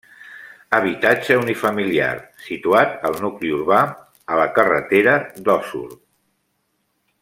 Habitatge unifamiliar, situat al nucli urbà, a la carretera d'Osor.